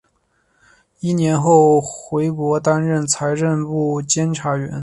一年后回国担任财政部监察员。